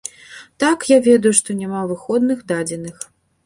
Так, я ведаю, што няма выходных дадзеных.